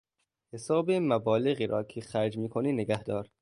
حساب مبالغی را که خرج میکنی نگهدار.